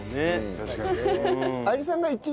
確かにね。